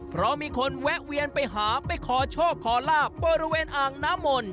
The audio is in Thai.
เพราะมีคนแวะเวียนไปหาไปขอโชคขอลาบบริเวณอ่างน้ำมนต์